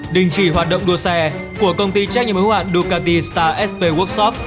đình chỉ hoạt động đua xe của công ty trách nhiệm hữu hạn ducati star sp workshop